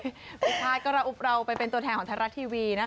สุดท้ายก็ระอุเราไปเป็นตัวแทนของไทยรัฐทีวีนะคะ